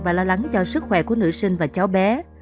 và lo lắng cho sức khỏe của nữ sinh và cháu bé